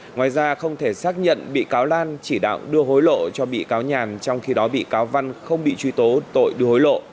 ngoài ra không thể xác nhận bị cáo lan chỉ đạo đưa hối lộ cho bị cáo nhàn trong khi đó bị cáo văn không bị truy tố tội đưa hối lộ